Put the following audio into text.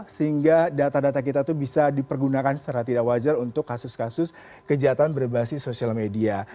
sehingga data data kita itu bisa dipergunakan secara tidak wajar untuk kasus kasus kejahatan berbasis sosial media